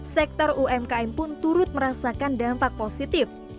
sektor umkm pun turut merasakan dampak positif